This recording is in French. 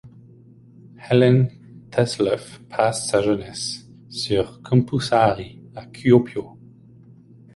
Ellen Thesleff passe sa jeunesse sur Kumpusaari à Kuopio.